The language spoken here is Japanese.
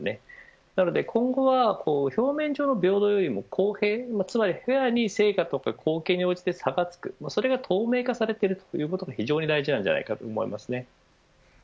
なので今後は表面上の平等よりも公平つまりフェアに成果や貢献に応じて差がつくそれが透明化されていることが非常に大事なのかと思います。